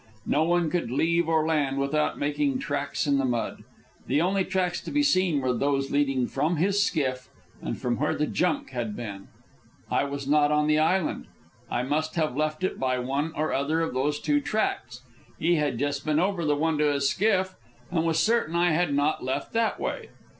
No one could leave or land without making tracks in the mud. The only tracks to be seen were those leading from his skiff and from where the junk had been. I was not on the island. I must have left it by one or other of those two tracks. He had just been over the one to his skiff, and was certain I had not left that way.